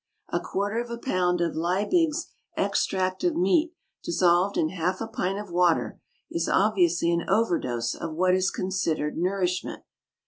A quarter of a pound of Liebig's Extract of Meat dissolved in half a pint of water is obviously an over dose of what is considered nourishment.